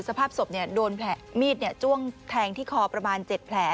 สภาพศพโดนมีดจ้วงแทงที่คอประมาณ๗แผล